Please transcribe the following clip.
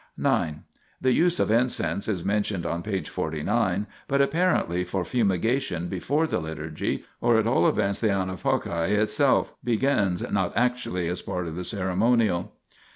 The use of incense is mentioned on p. 49, but apparently for fumigation before the Liturgy (or at all events the avayoQa itself) begins, not actually as part of the ceremonial.